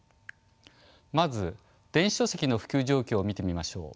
まず電子書籍の普及状況を見てみましょう。